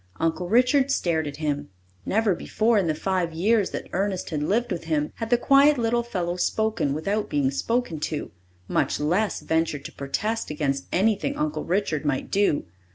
Uncle Richard stared at him. Never before, in the five years that Ernest had lived with him, had the quiet little fellow spoken without being spoken to, much less ventured to protest against anything Uncle Richard might do.